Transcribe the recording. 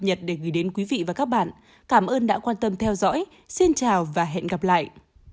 cảm ơn các bạn đã theo dõi và hẹn gặp lại